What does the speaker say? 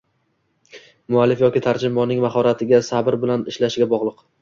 muallif yoki tarjimonning mahoratiga, sabr bilan ishlashiga bog‘liq.